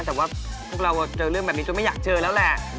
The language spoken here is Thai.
แต่ว่าพวกเราเจอเรื่องแบบนี้จนไม่อยากเจอแล้วแหละ